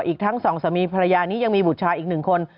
อีกทั้งสองสามีภรรยานี้ยังมีบุตรชายอีกหนึ่งคน